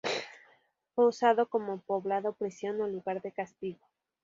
Fue usado como poblado prisión, o lugar de castigo.